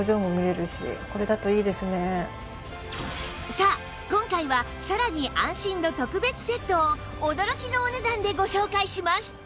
さあ今回はさらに安心の特別セットを驚きのお値段でご紹介します！